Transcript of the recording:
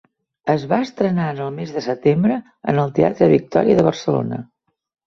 Es va estrenar en el mes de setembre en el Teatre Victòria de Barcelona.